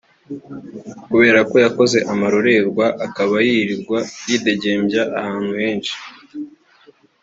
Kubera ko yakoze amarorerwa akaba yirirwa yidegembya ahantu henshi